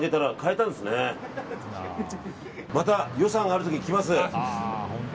また予算がある時に来ます。